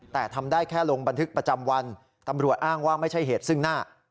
แต่ทำได้แค่ลงบันทึกประจำวันตำรวจอ้างว่าไม่ใช่เหตุซึ่งหน้า